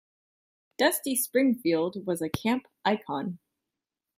Dusty Springfield was a camp icon.